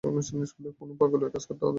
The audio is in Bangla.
কোনো পাগলের কাজ হবে হয়তো।